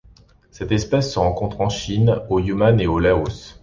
Cette espèce se rencontre en Chine au Yunnan et au Laos.